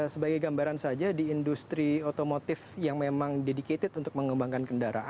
sebagai gambaran saja di industri otomotif yang memang dedicated untuk mengembangkan kendaraan